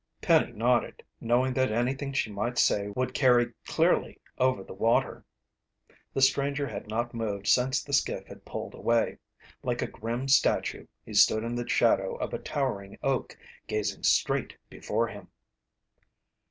Penny nodded, knowing that anything she might say would carry clearly over the water. The stranger had not moved since the skiff had pulled away. Like a grim statue, he stood in the shadow of a towering oak, gazing straight before him.